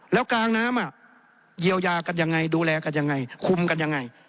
แล้วกลางน้ำเยียวยากันยังไงดูแลกันยังไงคุมกันยังไง